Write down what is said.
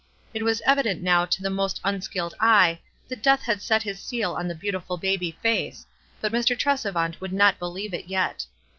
It was evident now to the most unskilled eye that death had set his seal on the beautiful baby face, but Mr. Tresevant would not believe it yet.